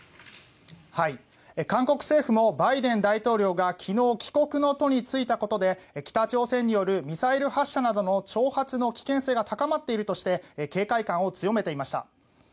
韓国政府もバイデン大統領が昨日、帰国の途に就いたことで北朝鮮によるミサイル発射などの挑発の危険性が高まっているとして警戒感を強めていました。